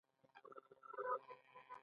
د مخ د تور ټکو لپاره باید څه شی وکاروم؟